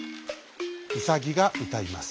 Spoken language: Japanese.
ウサギがうたいます。